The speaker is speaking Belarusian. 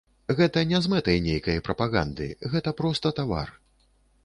Гэта не з мэтай нейкай прапаганды, гэта проста тавар.